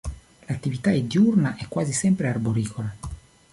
L'attività è diurna e quasi sempre arboricola.